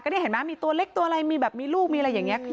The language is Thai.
นี่เห็นไหมมีตัวเล็กตัวอะไรมีแบบมีลูกมีอะไรอย่างนี้